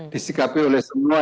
disikapi oleh semua